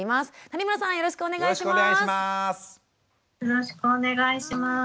よろしくお願いします。